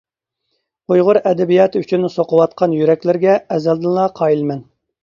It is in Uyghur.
ئۇيغۇر ئەدەبىياتى ئۈچۈن سوقۇۋاتقان يۈرەكلىرىگە ئەزەلدىنلا قايىلمەن!